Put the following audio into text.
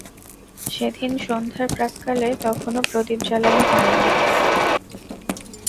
সেদিন সন্ধ্যার প্রাক্কালে তখনো প্রদীপ জ্বালানো হয় নাই।